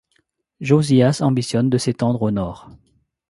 Josias ambitionne de s'étendre au Nord.